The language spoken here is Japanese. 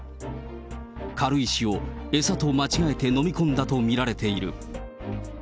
軽石を餌と間違えてのみ込んだと見られている。